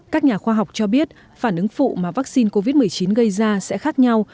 các nhà khoa học cho biết phản ứng phụ mà vaccine covid một mươi chín gây ra sẽ khác nhau